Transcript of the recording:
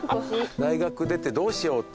大学出てどうしようっていう。